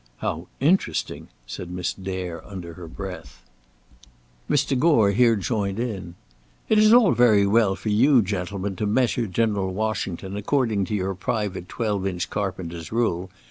"How interesting!" said Miss Dare under her breath. Mr. Gore here joined in: "It is all very well for you gentlemen to measure General Washington according to your own private twelve inch carpenter's rule.